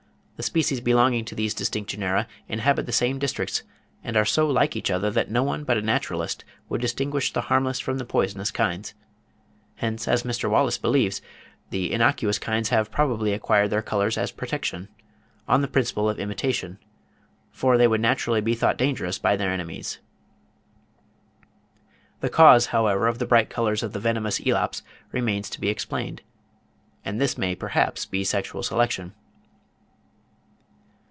The species belonging to these distinct genera inhabit the same districts, and are so like each other that no one "but a naturalist would distinguish the harmless from the poisonous kinds." Hence, as Mr. Wallace believes, the innocuous kinds have probably acquired their colours as a protection, on the principle of imitation; for they would naturally be thought dangerous by their enemies. The cause, however, of the bright colours of the venomous Elaps remains to be explained, and this may perhaps be sexual selection.